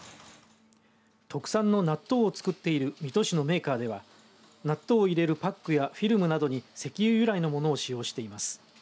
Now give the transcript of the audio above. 特産の納豆を作っている水戸市のメーカーでは納豆を入れるパックやフィルムなどに石油由来のものを使用しています。